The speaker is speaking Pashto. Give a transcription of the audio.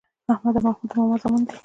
احمد او محمود د ماما زامن دي.